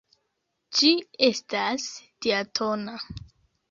Ĝi estas diatona.